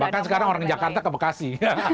bahkan sekarang orang jakarta ke bekasi